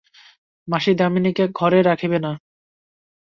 মাসি দামিনীকে ঘরে রাখিবে না।